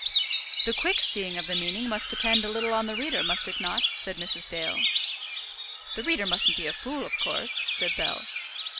"The quick seeing of the meaning must depend a little on the reader, must it not?" said Mrs. Dale. "The reader mustn't be a fool, of course," said Bell.